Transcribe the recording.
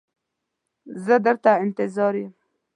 زه در ته انتظار یم.